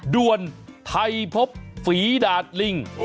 ด้วนไทพบฝีดาตรลิง